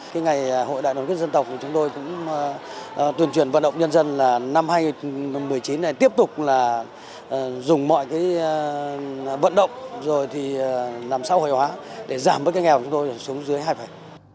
cái ngày hội đại đồng quyết dân tộc của chúng tôi tuyển chuyển vận động nhân dân là năm hai nghìn một mươi chín này tiếp tục là dùng mọi cái vận động rồi thì làm xã hội hóa để giảm bất kỳ nghèo của chúng tôi xuống dưới hai phần